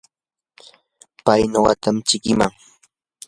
pay nuqatam chikiman.